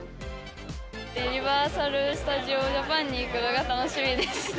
ユニバーサル・スタジオ・ジャパンに行くのが楽しみです。